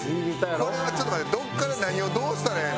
これはちょっと待ってどこから何をどうしたらええの？